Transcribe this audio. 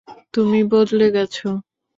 তুমি বদলে গেছো।